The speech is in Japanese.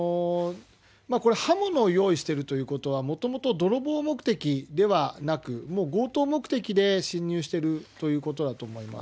これ、刃物を用意してるということは、もともと泥棒目的ではなく、もう強盗目的で侵入してるということだと思います。